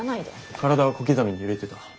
体は小刻みに揺れてた。